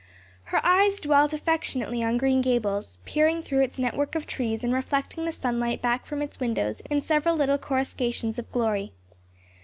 Her eyes dwelt affectionately on Green Gables, peering through its network of trees and reflecting the sunlight back from its windows in several little coruscations of glory.